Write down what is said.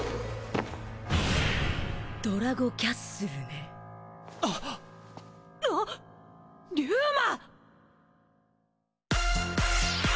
ドラゴキャッスルねあっリュウマ！